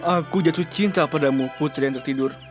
aku jatuh cinta padamu putri yang tertidur